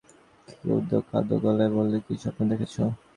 আফসার সাহেব চোখ মেলতেই ইরা কীদো-কাদো গলায় বললেন, কী স্বপ্ন দেখেছ?